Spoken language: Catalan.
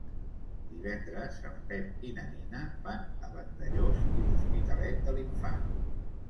Divendres en Pep i na Nina van a Vandellòs i l'Hospitalet de l'Infant.